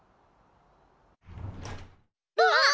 うわっ！